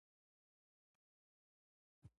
د پالک ګل د څه لپاره وکاروم؟